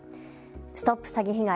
ＳＴＯＰ詐欺被害！